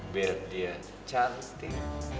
biar dia cantik